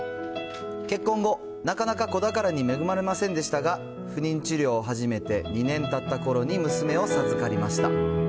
結婚後、なかなか子宝に恵まれませんでしたが、不妊治療を始めて２年たったころに娘を授かりました。